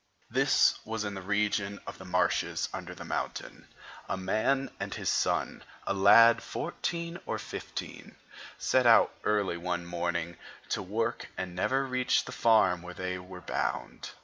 This was in the region of the marshes under the mountain. A man and his son, a lad of fourteen or fifteen, set out early one morning to work and never reached the farm where they were bound.